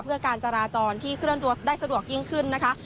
เพื่อการจราจรที่เคลื่อนตัวได้สะดวกยิ่งขึ้นนะคะ